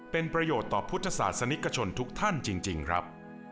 เป็นประโยชน์ต่อพุทธศาสนิกชนทุกท่านจริงครับ